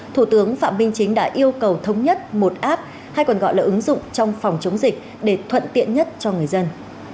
thủ tướng phạm minh chính đã yêu cầu thống nhất một app hay còn gọi là ứng dụng trong phòng chống dịch để thuận tiện nhất cho người dân